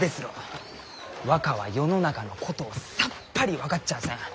若は世の中のことをさっぱり分かっちゃあせん。